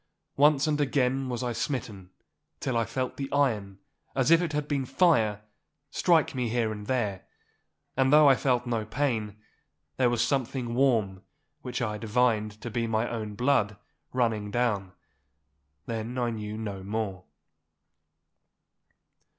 Once and again was I smitten, till I felt the iron, as it had been fire, strike me here and there. And though I felt no pain, there was something warm, which I divined to be my own blood, running down. Then I knew no more.